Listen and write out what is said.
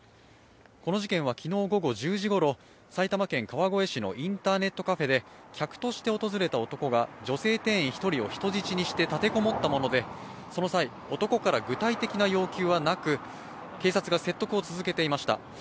この事件は昨日午後１０時ごろ、埼玉県川越市のインターネットカフェで客として訪れた男が女性店員１人を人質にして立て籠もったもので、その際、男から具体的な要求はなく、警察が説得を続けていました。